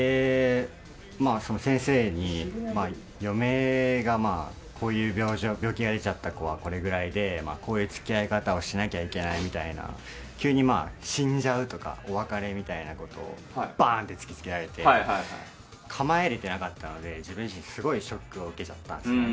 先生に余命がこういう病気が出ちゃった子はこれぐらいでこういう付き合い方をしないといけないみたいな急に、死んじゃうとかお別れみたいなことをバーンと突き付けられて構えれてなかったので自分自身すごいショックを受けちゃったんですよね。